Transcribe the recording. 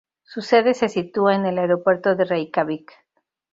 Su sede se sitúa en el Aeropuerto de Reykjavík.